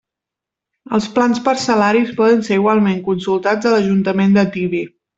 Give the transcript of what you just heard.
Els plans parcel·laris poden ser igualment consultats a l'Ajuntament de Tibi.